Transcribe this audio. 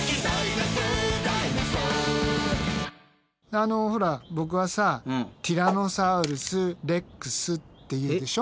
あのほらボクはさティラノサウルス・レックスっていうでしょ。